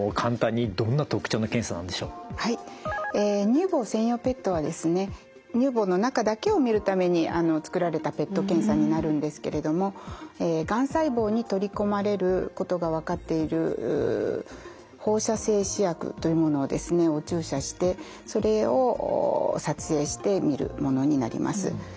乳房専用ＰＥＴはですね乳房の中だけを見るために作られたＰＥＴ検査になるんですけれどもがん細胞に取り込まれることが分かっている放射性試薬というものをですねお注射してそれを撮影して見るものになります。